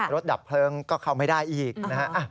ดับเพลิงก็เข้าไม่ได้อีกนะฮะ